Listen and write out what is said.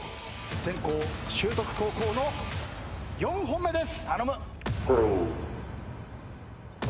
先攻修徳高校の４本目です。